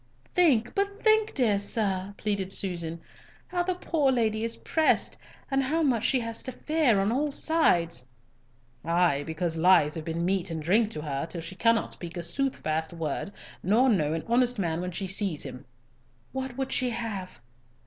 "Think, but think, dear sir," pleaded Susan, "how the poor lady is pressed, and how much she has to fear on all sides." "Ay, because lies have been meat and drink to her, till she cannot speak a soothfast word nor know an honest man when she sees him." "What would she have?"